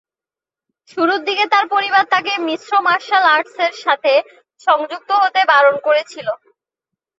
শুরুর দিকে তার পরিবার তাকে মিশ্র মার্শাল আর্টসের সাথে সংযুক্ত হতে বারণ করেছিল।